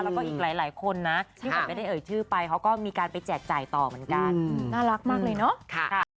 แล้วก็หลายคนนะข้างไปจ่ายต่อเป็นการน่ารักมากเลยนะ